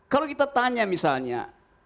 kalau kita tanya misalnya